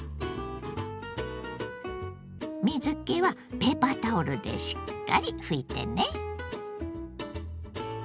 水けはペーパータオルでしっかり拭いてね。